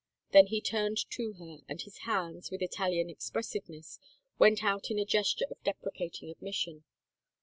Then he turned to her and his hands, with Italian expressiveness, went out in a gesture of deprecating admission.